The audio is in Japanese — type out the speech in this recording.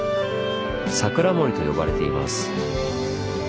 「桜守」と呼ばれています。